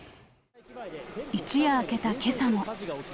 一夜明けたけさも。